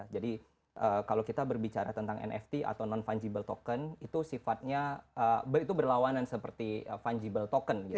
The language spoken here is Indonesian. jadi kalau kita berbicara tentang nft atau non fungible token itu sifatnya itu berlawanan seperti fungible token